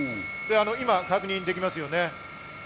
今、確認できますよね。